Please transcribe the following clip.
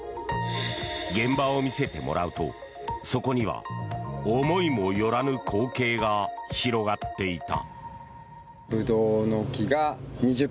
現場を見せてもらうとそこには思いもよらぬ光景が広がっていた。